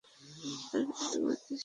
আরে, তোদের শেষ?